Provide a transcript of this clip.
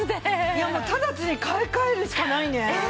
いやもう直ちに買い替えるしかないね。